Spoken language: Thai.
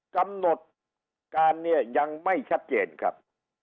กำหนดการเนี่ยยังไม่ชัดเจนครับ